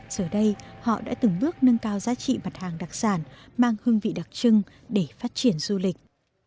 giờ đây họ đã từng bước nâng cao giá trị mặt hàng đặc sản mang hương vị đặc trưng để phát triển du lịch